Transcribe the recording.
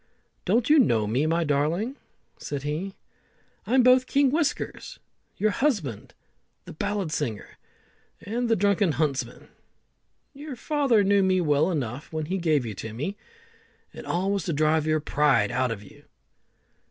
"Don't you know me, my darling?" said he. "I'm both King Whiskers, your husband the ballad singer, and the drunken huntsman. Your father knew me well enough when he gave you to me, and all was to drive your pride out of you."